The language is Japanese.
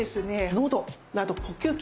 のどなど呼吸器